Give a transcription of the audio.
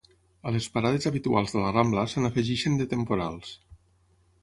A les parades habituals de la Rambla se n'afegeixen de temporals.